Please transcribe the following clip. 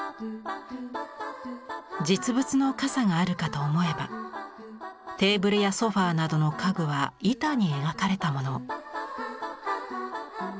実物の傘があるかと思えばテーブルやソファーなどの家具は板に描かれたもの。